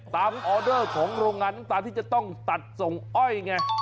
ออเดอร์ของโรงงานน้ำตาลที่จะต้องตัดส่งอ้อยไง